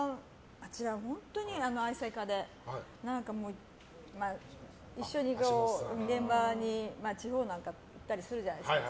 あちらは本当に愛妻家で一緒に現場に地方とかに行ったりするじゃないですか。